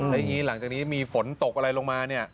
แล้วยังจากนี้มีฝนตกอะไรลงมาเนี่ย